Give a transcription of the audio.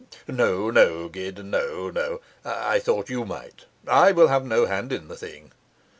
'No, no, Gid no, no, I thought you might. I will have no hand in the thing.